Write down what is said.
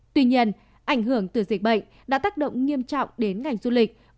tuy nhiên ảnh hưởng từ dịch bệnh đã tác động nghiêm trọng đến ngành du lịch